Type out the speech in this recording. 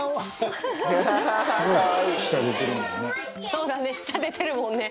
そうだね舌出てるもんね